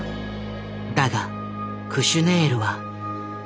だがクシュネールは。